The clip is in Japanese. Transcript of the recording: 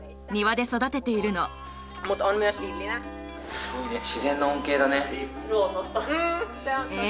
すごいね自然の恩恵だね。